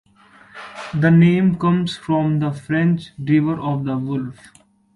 The name comes from the French, "River of the Wolf".